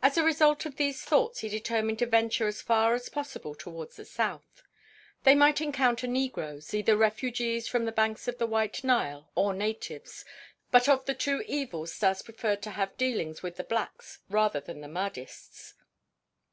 As a result of these thoughts he determined to venture as far as possible towards the south. They might encounter negroes, either refugees from the banks of the White Nile or natives. But of the two evils Stas preferred to have dealings with the blacks rather than with Mahdists.